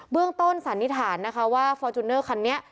เรื่องต้นสันนิษฐานนะคะว่าฟอร์จูเนอร์คันนี้